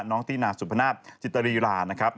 น้องตีนาสุภัณฑ์จิตรีรานะครับ